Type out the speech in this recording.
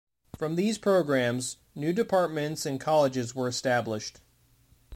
From these programs, new departments and colleges were established.